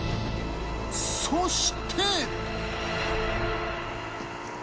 そして。